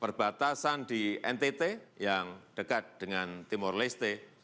perbatasan di ntt yang dekat dengan timur leste